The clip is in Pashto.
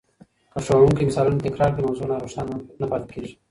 که ښوونکی مثالونه تکرار کړي، موضوع نا روښانه نه پاته کېږي.